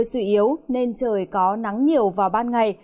suy yếu nên trời có nắng nhiều vào ban ngày